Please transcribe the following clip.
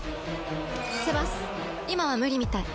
セバス今は無理みたい。